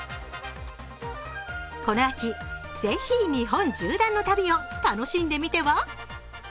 この秋、ぜひ日本縦断の旅を楽しんでみては。